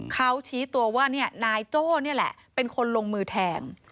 เขาชี้ตัวว่านายโจ้นี่แหละเป็นคนลงมือแทง